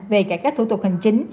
về cải cách thủ tục hành chính